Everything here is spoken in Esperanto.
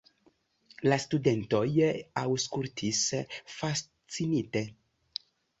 La studentoj aŭskultis fascinite.